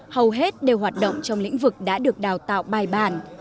hầu hết đều hoạt động trong lĩnh vực đã được đào tạo bài bản